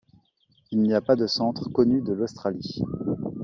Il n'y a pas de centre connu de l'Australie.